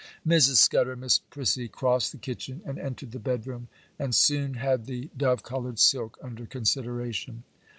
Mrs. Scudder and Miss Prissy crossed the kitchen and entered the bedroom, and soon had the dove coloured silk under consideration.